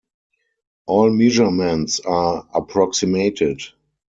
All measurements are approximated.